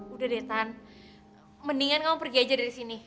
udah deh tahan mendingan kamu pergi aja dari sini